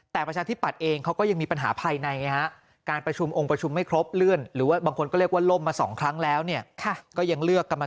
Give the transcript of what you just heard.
แต่ประชาธิปัตย์เองเขาก็ยังมีปัญหาภายในไงฮะการประชุมองค์ประชุมไม่ครบเลื่อนหรือว่าบางคนก็เรียกว่าล่มมา๒ครั้งแล้วเนี่ยก็ยังเลือกกรรม